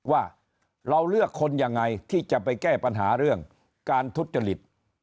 ว่าเราเลือกคนยังไงที่จะไปแก้ปัญหาเรื่องการทุจริต